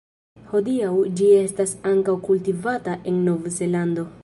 Hodiaŭ ĝi estas ankaŭ kultivata en Nov-Zelando.